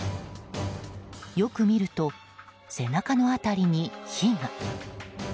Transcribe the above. よく見ると背中の辺りに火が。